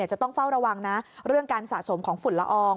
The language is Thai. จะต้องเฝ้าระวังนะเรื่องการสะสมของฝุ่นละออง